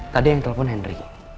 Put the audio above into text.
tadi yang telepon henry